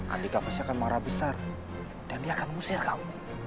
andika pasti akan marah besar dan dia akan mengusir kamu